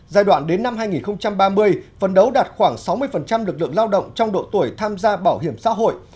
giai đoạn đến năm hai nghìn ba mươi phân đấu đạt khoảng sáu mươi lực lượng lao động trong độ tuổi tham gia bảo hiểm xã hội